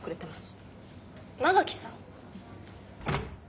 馬垣さん？